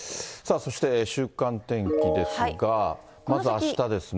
そして週間天気ですが、まずあしたですね。